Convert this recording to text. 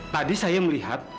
tadi saya melihat